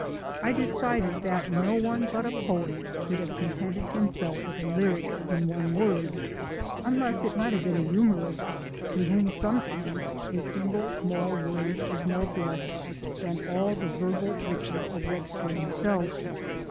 I decided that no one but a poet could have contented himself with a lyric in one word, unless it might have been a humourist, to whom sometimes a single small word is more blessed than all the verbal riches of Webster himself.